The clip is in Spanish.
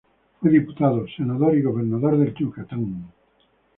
Fue diputado, senador y gobernador de Yucatán.